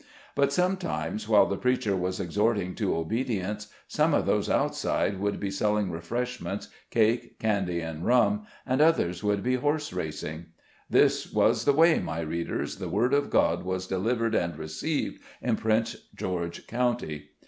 But sometimes, while the preacher was exhorting to obedience, some of those outside would be selling refreshments, cake, candy and rum, and others would be horse racing. This was the way, my readers, the Word of God was delivered and received in Prince George County.